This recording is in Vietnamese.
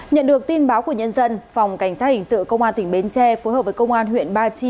nhận được tin báo của nhân dân phòng cảnh sát hình sự công an tỉnh bến tre phối hợp với công an huyện ba chi